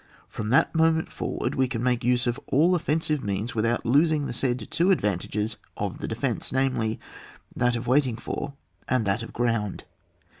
From that moment forward we can make use of all offensive means without losing the said two advantages of the defence, namely, that of waiting for, and that of ground.